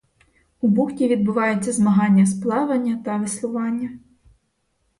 У бухті відбуваються змагання з плавання та веслування.